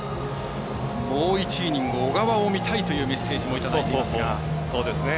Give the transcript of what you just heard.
もう１イニング小川を見たいというメッセージもいただいていますが。